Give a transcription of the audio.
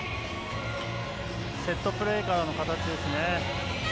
セットプレーからの形ですね。